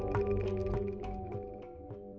saya juga seorang pemenang film ini